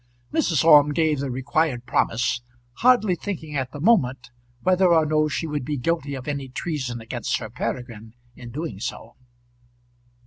Mrs. Orme gave the required promise, hardly thinking at the moment whether or no she would be guilty of any treason against Sir Peregrine in doing so.